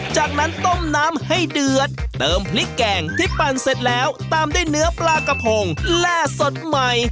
จากนั้นต้มน้ำให้เดือดเติมพริกแกงที่ปั่นเสร็จแล้วตามด้วยเนื้อปลากระพงและสดใหม่